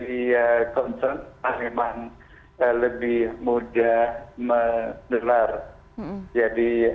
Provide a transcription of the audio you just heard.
seharusnya tentu masih dihasilkan